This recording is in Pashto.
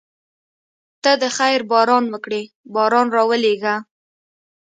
ته د خیر باران وکړې باران راولېږه.